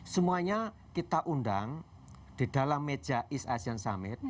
semuanya kita undang di dalam meja east asian summit